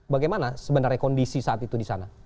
bagaimana sebenarnya kondisi saat itu di sana